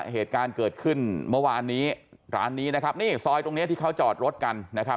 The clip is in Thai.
เหตุการณ์เกิดขึ้นเมื่อวานนี้ร้านนี้นะครับนี่ซอยตรงเนี้ยที่เขาจอดรถกันนะครับ